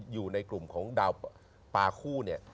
อยู่ในกลุ่มของดาวปาคู่เนี่ย